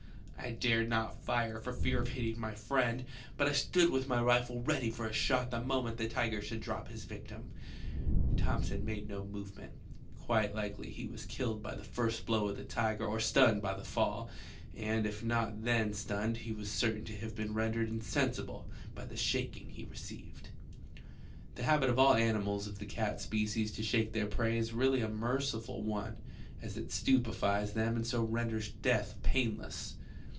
I dared not fire for fear of hitting my friend ; but I stood with my rifle ready for a shot the moment the tiger should drop* his yietim. Thomson made no moyement ; quite likely he was killed by the first blow of the tiger or stunned by the fall, and if not then stunned he was eertain to ha ye been rendered insensible by the shaking he receiyed. The habit of all animals of the eat speeies to shake their prey is really a mereiful one, as it stupefies them and so renders death painless.